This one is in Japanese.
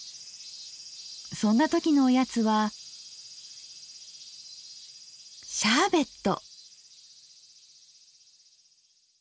そんな時のおやつは「シャーベット」。